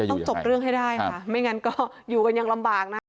ต้องจบเรื่องให้ได้ค่ะไม่งั้นก็อยู่กันยังลำบากนะ